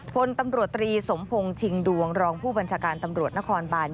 พลตำรวจตรีสมพงศ์ชิงดวงรองผู้บัญชาการตำรวจนครบาน